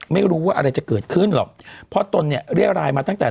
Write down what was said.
ไม่รู้ว่าอะไรจะเกิดขึ้นหรอกเพราะตนเนี่ยเรียรายมาตั้งแต่